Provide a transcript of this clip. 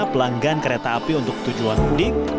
pelanggan kereta api untuk tujuan mudik